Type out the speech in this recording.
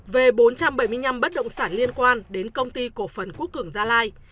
về bốn trăm bảy mươi năm bất động sản liên quan đến công ty cổ phần quốc cường gia lai